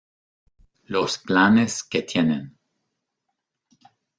los planes que tienen